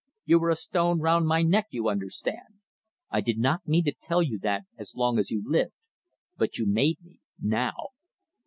You were a stone round my neck; you understand. I did not mean to tell you that as long as you lived, but you made me now.